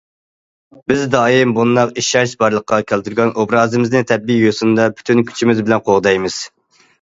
بىز دائىم بۇنداق ئىشەنچ بارلىققا كەلتۈرگەن ئوبرازىمىزنى تەبىئىي يوسۇندا پۈتۈن كۈچىمىز بىلەن قوغدايمىز.